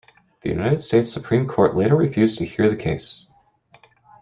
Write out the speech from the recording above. The United States Supreme Court later refused to hear the case.